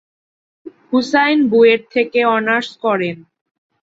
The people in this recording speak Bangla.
হুসাইন বুয়েট থেকে অনার্স করেন।